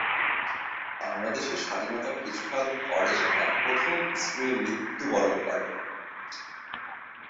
বাংলাদেশের স্বাধীনতার কিছুকাল পরে তার প্রথম স্ত্রী মৃত্যুবরণ করেন।